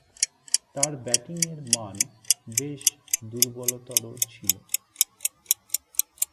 তার ব্যাটিংয়ের মান বেশ দূর্বলতর ছিল।